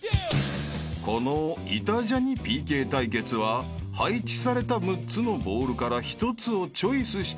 ［このイタジャニＰＫ対決は配置された６つのボールから１つをチョイスしてキック］